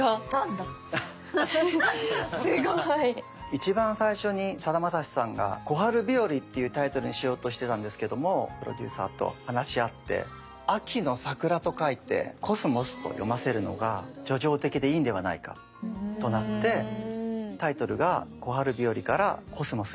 一番最初にさだまさしさんが「小春日和」っていうタイトルにしようとしてたんですけどもプロデューサーと話し合って秋の桜と書いて「コスモス」と読ませるのが叙情的でいいんではないかとなってタイトルが「小春日和」から「秋桜」になりました。